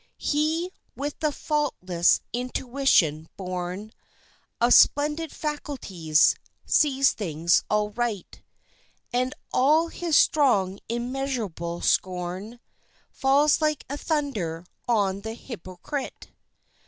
He, with the faultless intuition born Of splendid faculties, sees things aright, And all his strong, immeasurable scorn Falls like a thunder on the hypocrite.